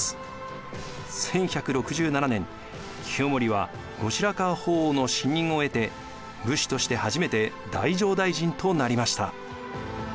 １１６７年清盛は後白河法皇の信任を得て武士として初めて太政大臣となりました。